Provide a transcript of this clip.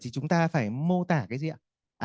chúng ta phải mô tả cái gì ạ